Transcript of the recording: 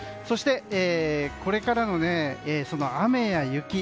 そして、これからの雨や雪